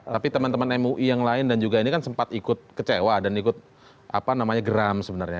tapi teman teman mui yang lain dan juga ini kan sempat ikut kecewa dan ikut geram sebenarnya